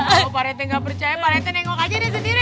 kalau pak rt nggak percaya pak rt nengok aja deh sendiri